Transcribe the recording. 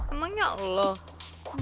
emangnya allah yang berani